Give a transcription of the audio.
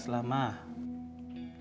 ngejalanin tugas lah ma